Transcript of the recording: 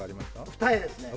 二重ですね。